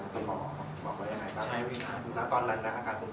ใช่ครับคุณพ่อณตอนนั้นอาการคุณพ่อ